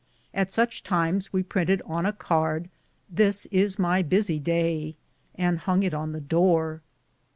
At such times we printed on a card, *^ this is my busy day," and hung it on the door.